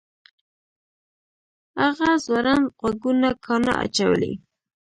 هغه ځوړند غوږونه کاڼه اچولي